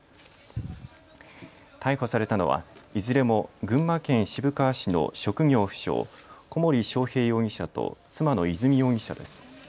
逮捕されたのはいずれも群馬県渋川市の職業不詳、小森章平容疑者と妻の和美容疑者です。